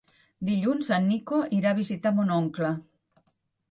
Dilluns en Nico irà a visitar mon oncle.